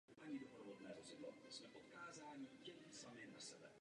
Za stavbu byl odpovědný zlínský stavitel Josef Winkler.